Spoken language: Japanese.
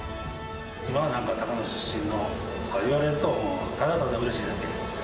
今はなんか多賀野出身のとか言われると、もうただただうれしいだけ。